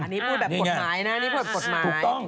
อันนี้พูดแบบกฎหมายนะถูกต้อง